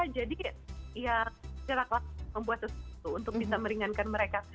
jadi ya saya lakukan membuat sesuatu untuk bisa meringankan mereka